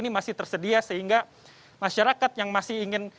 ini masih tersedia sehingga masyarakat yang masih ingin